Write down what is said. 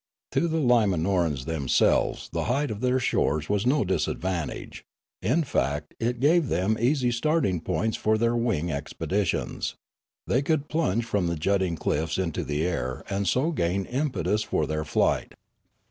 To the Iyimanorans themselves the height of their shores was no disadvantage; in fact it gave them easy starting points for their wing expeditions; they could plunge from the jutting cliffs into the air and so gain impetus for their flight.